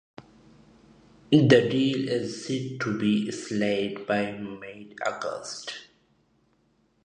The deal is set to be sealed by mid-August.